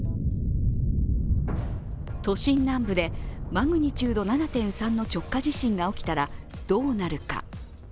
都心南部でマグニチュード７．３の直下地震が起きたらどうなるか。